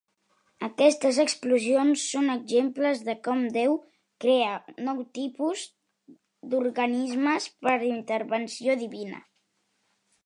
Aquestes explosions són exemples de com Déu crea nous tipus d'organismes per intervenció divina.